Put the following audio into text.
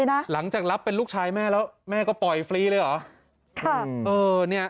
ต้องหาเลยนะหลังจากรับเป็นลูกชายแม่แล้วแม่ก็ปล่อยฟรีเลยเหรอค่ะเออเนี่ย